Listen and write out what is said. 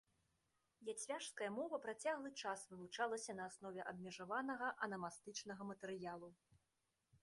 Яцвяжская мова працяглы час вывучалася на аснове абмежаванага анамастычнага матэрыялу.